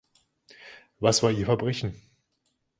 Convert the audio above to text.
Was war ihr Verbrechen?